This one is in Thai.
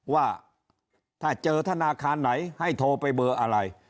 ว่าถ้าเจอธนาคารไหนให้โทรไปเบอร์อะไร